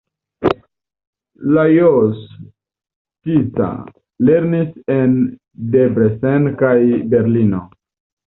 Lajos Tisza lernis en Debrecen kaj Berlino.